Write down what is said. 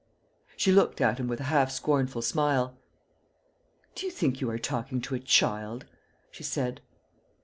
She looked at him with a half scornful smile. "Do you think you are talking to a child?" she said.